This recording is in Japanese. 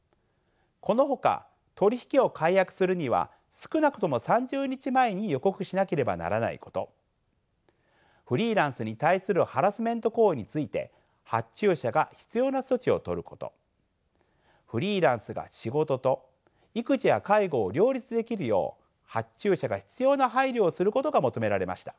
このほか取り引きを解約するには少なくとも３０日前に予告しなければならないことフリーランスに対するハラスメント行為について発注者が必要な措置をとることフリーランスが仕事と育児や介護を両立できるよう発注者が必要な配慮をすることが求められました。